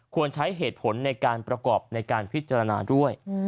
ควรใช้เหตุผลในการประกอบในการพิจารณาด้วย